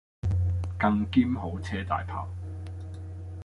更兼好車大砲